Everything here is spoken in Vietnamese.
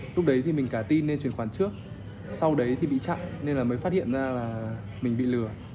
lúc đấy thì mình cả tin nên truyền khoản trước sau đấy thì bị chặn nên là mới phát hiện ra là mình bị lừa